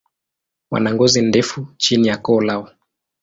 Wana ngozi ndefu chini ya koo lao.